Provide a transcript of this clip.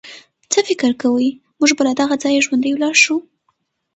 څه فکر کوئ، موږ به له دغه ځایه ژوندي ولاړ شو.